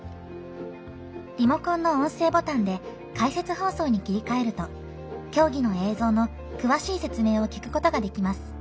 リモコンの音声ボタンで解説放送に切り替えると競技の映像の詳しい説明を聞くことができます。